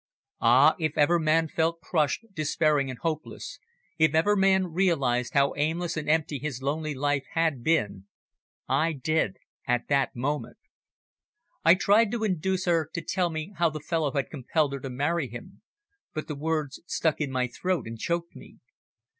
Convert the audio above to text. Ah! if ever man felt crushed, despairing and hopeless, if ever man realised how aimless and empty his lonely life had been, I did at that moment. I tried to induce her to tell me how the fellow had compelled her to marry him, but the words stuck in my throat and choked me.